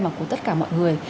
mà của tất cả mọi người